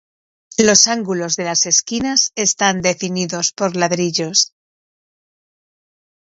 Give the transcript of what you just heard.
Los ángulos de las esquinas están definidos por ladrillos.